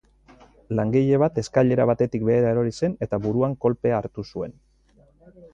Langile bat eskailera batetik behera erori zen eta buruan kolpea hartu zuen.